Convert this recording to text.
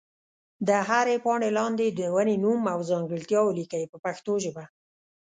د هرې پاڼې لاندې د ونې نوم او ځانګړتیا ولیکئ په پښتو ژبه.